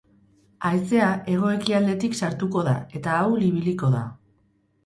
Haizea hego-ekialdetik sartuko da eta ahul ibiliko da.